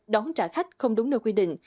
đón trả khách không đúng nơi quy định